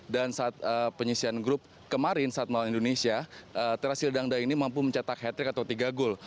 dan saat penyisian grup kemarin saat melawan indonesia terasil dangda ini mampu mencetak hat trick atau tiga gol